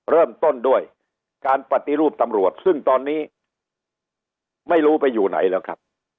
เริ่มต้นด้วยการปฏิรูปตำรวจซึ่งตอนนี้ไม่รู้ไปอยู่ไหนแล้วครับ